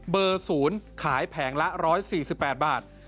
เบอร์๐ขายแผงละ๑๔๘บาท